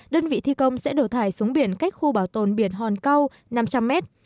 đơn vị thi công sẽ đổ thải xuống biển cách khu bảo tồn biển hòn câu năm trăm linh mét